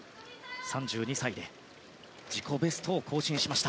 ３２歳で自己ベストを更新しました。